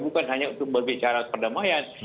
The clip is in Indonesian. bukan hanya untuk berbicara serta merta